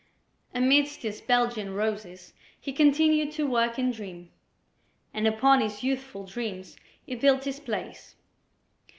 Amidst his Belgian roses he continued to work and dream, and upon his youthful dreams he built his plays.